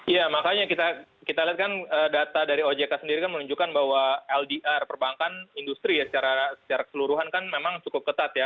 ya makanya kita lihat kan data dari ojk sendiri kan menunjukkan bahwa ldr perbankan industri ya secara keseluruhan kan memang cukup ketat ya